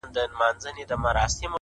دا چي دي شعرونه د زړه جيب كي وړي!